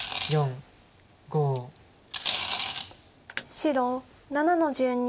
白７の十二。